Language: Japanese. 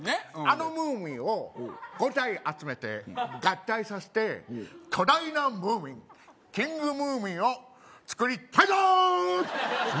あのムーミンを５体集めて合体さして巨大なムーミンキングムーミンを作りたいなー！